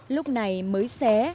lúc này mới xé